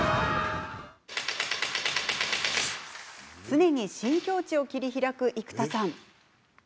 常に新境地を切り開く生田さん。